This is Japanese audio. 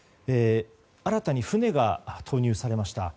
新たに船が投入されました。